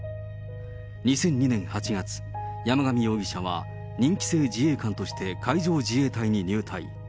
２００２年８月、山上容疑者は任期制自衛官として海上自衛隊に入隊。